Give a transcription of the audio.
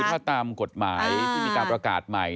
ถ้าตามกฎหมายที่มีการประกาศใหม่